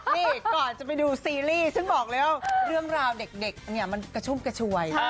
นี่ก่อนจะไปดูซีรีส์ฉันบอกเร็วเรื่องราวเด็กมันกระชุ่มกระชวย